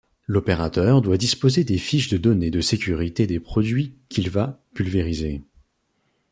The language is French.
L'opérateur doit disposer des fiches de données de sécurité des produits qu'il va pulvériser.